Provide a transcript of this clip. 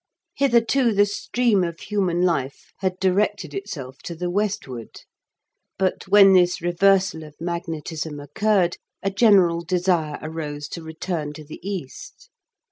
Hitherto the stream of human life had directed itself to the westward, but when this reversal of magnetism occurred, a general desire arose to return to the east.